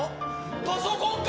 パソコンか？